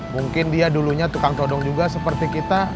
mungkin dia dulunya tukang todong juga seperti kita